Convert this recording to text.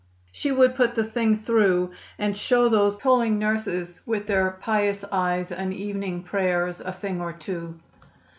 She would put the thing through, and show those puling nurses, with their pious eyes and evening prayers, a thing or two.